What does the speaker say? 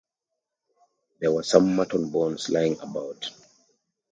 There were some mutton bones lying about.